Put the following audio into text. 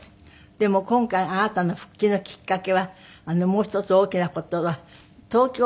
でも今回あなたの復帰のきっかけはもう一つ大きな事は東京オリンピックの仕事？